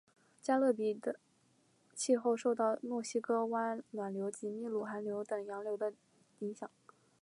加勒比海的气候受到墨西哥湾暖流及秘鲁寒流等洋流的影响。